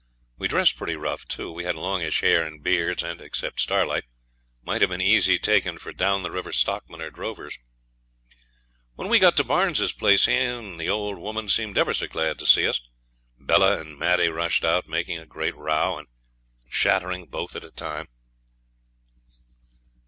We dressed pretty rough too; we had longish hair and beards, and (except Starlight) might have been easy taken for down the river stockmen or drovers. When we got to Barnes's place he and the old woman seemed ever so glad to see us. Bella and Maddie rushed out, making a great row, and chattering both at a time.